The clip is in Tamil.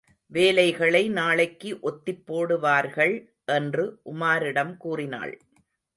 வேலைகளை நாளைக்கு ஒத்திப் போடுவார்கள் என்று உமாரிடம் கூறினாள்.